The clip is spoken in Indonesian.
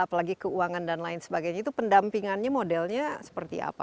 apalagi keuangan dan lain sebagainya itu pendampingannya modelnya seperti apa